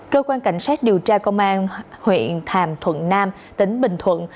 cơ quan cảnh sát điều tra công an huyện hàm thuận nam tỉnh bình thuận